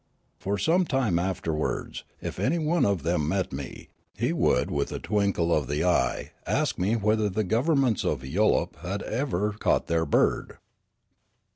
For some time afterwards, if any one of them met me, he would with a twinkle of the eye ask me whether the governments of " Yullup " had ever caught their bird.